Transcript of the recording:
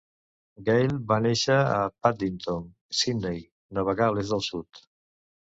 Gale va néixer a Paddington, Sydney, Nova Gal·les del Sud.